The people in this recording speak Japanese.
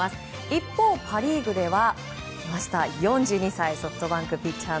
一方、パ・リーグでは４２歳、ソフトバンクピッチャー